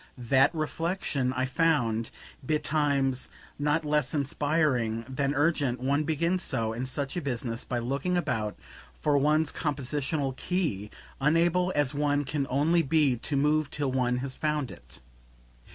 That reflexion I found, betimes, not less inspiring than urgent; one begins so, in such a business, by looking about for one's compositional key, unable as one can only be to move till one has found it.